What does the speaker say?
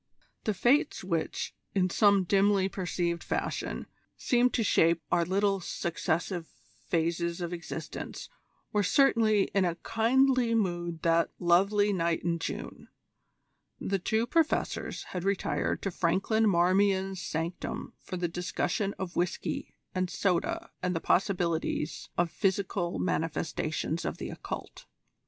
The Fates which, in some dimly perceived fashion, seem to shape our little successive phases of existence, were certainly in a kindly mood that "lovely night in June." The two Professors had retired to Franklin Marmion's sanctum for the discussion of whisky and soda and the possibilities of physical manifestations of the Occult.